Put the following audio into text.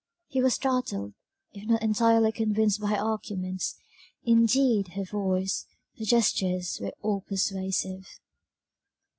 He was startled, if not entirely convinced by her arguments; indeed her voice, her gestures were all persuasive.